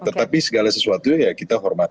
tetapi segala sesuatu yang bisa dibandingkan